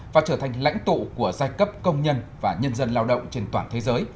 và trở thành lãnh tụ của giai cấp công nhân và nhân dân lao động trên toàn thế giới